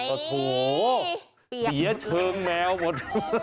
โอ้โหเสียเชิงแมวหมด